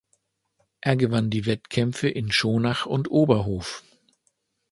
Er gewann die Wettkämpfe in Schonach und Oberhof.